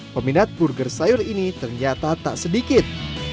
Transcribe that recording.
peminat burger sayur ini ternyata tak sedikit